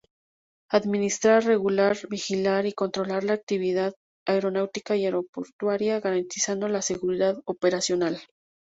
Administrar, Regular, Vigilar y Controlar la actividad aeronáutica y aeroportuaria garantizando la seguridad operacional.